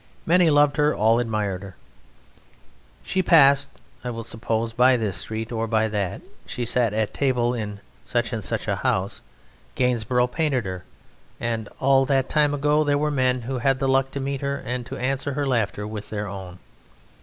Many loved her; all admired. She passed (I will suppose) by this street or by that; she sat at table in such and such a house; Gainsborough painted her; and all that time ago there were men who had the luck to meet her and to answer her laughter with their own.